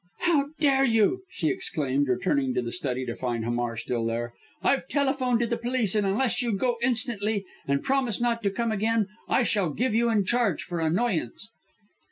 "How dare you?" she exclaimed, returning to the study to find Hamar still there. "I've telephoned to the police, and unless you go instantly and promise not to come again, I shall give you in charge, for annoyance."